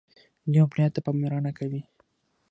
دوی امنیت ته پاملرنه کوي.